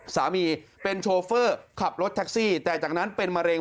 สามีเป็นโชเฟอร์ขับรถแท็กซี่แต่จากนั้นเป็นมะเร็ง